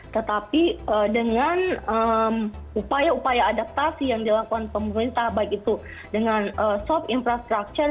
tetapi dengan upaya upaya adaptasi yang dilakukan pemerintah baik itu dengan soft infrastructure